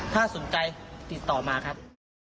ถ้าสนใจติดต่อมาครับ